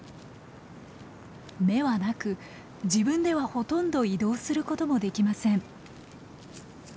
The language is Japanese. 目はなく自分ではほとんど移動することもできません。